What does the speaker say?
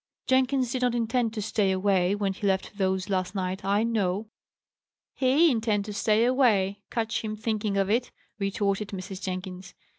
Jenkins did not intend to stay away, when he left those last night, I know." "He intend to stay away! catch him thinking of it," retorted Mrs. Jenkins.